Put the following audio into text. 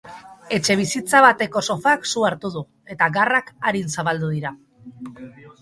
Etxebizitza bateko sofak su hartu du, eta garrak arin zabaldu dira.